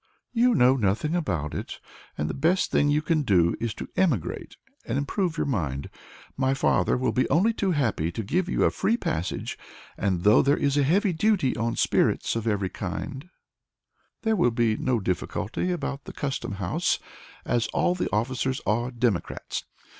"You know nothing about it, and the best thing you can do is to emigrate and improve your mind. My father will be only too happy to give you a free passage, and though there is a heavy duty on spirits of every kind, there will be no difficulty about the Custom House, as the officers are all Democrats.